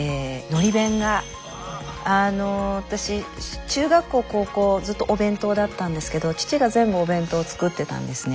私中学校高校ずっとお弁当だったんですけど父が全部お弁当作ってたんですね。